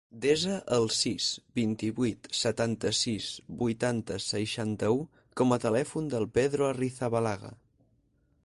Desa el sis, vint-i-vuit, setanta-sis, vuitanta, seixanta-u com a telèfon del Pedro Arrizabalaga.